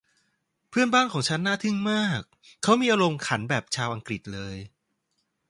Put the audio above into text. เพื่อนบ้านของฉันน่าทึ่งมาก เขามีอารมณ์ขันแบบชาวอังกฤษเลย